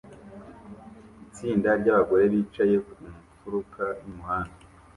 Itsinda ry'abagore bicaye ku mfuruka y'umuhanda